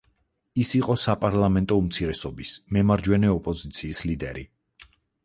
ის იყო საპარლამენტო უმცირესობის, „მემარჯვენე ოპოზიციის“ ლიდერი.